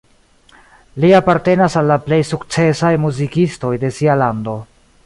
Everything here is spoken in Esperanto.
Li apartenas al la plej sukcesaj muzikistoj de sia lando.